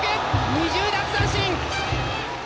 ２０奪三振。